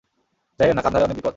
যাইয়েন না, কান্দাহারে অনেক বিপদ।